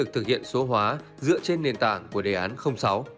thực hiện số hóa dựa trên nền tảng của đề án sáu